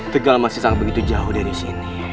tegal masih sangat begitu jauh dari sini